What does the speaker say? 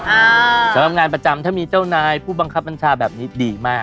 สำหรับงานประจำถ้ามีเจ้านายผู้บังคับบัญชาแบบนี้ดีมาก